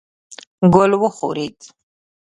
ګل وښورېد.